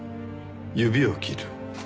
指を切る？